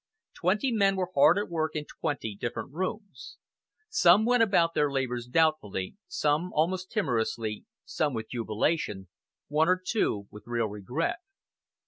Twenty men were hard at work in twenty different rooms. Some went about their labours doubtfully, some almost timorously, some with jubilation, one or two with real regret.